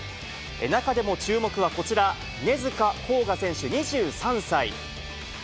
中でも注目はこちら、根塚こうが選手２３歳。